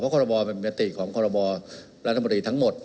เพราะรับคาร์โรโมะเป็นปกติของรัฐมนตรีทั้งหมด